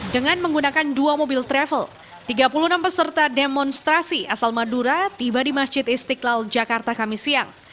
dengan menggunakan dua mobil travel tiga puluh enam peserta demonstrasi asal madura tiba di masjid istiqlal jakarta kami siang